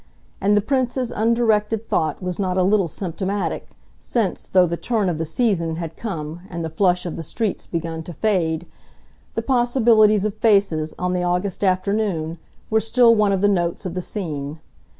And the Prince's undirected thought was not a little symptomatic, since, though the turn of the season had come and the flush of the streets begun to fade, the possibilities of faces, on the August afternoon, were still one of the notes of the scene.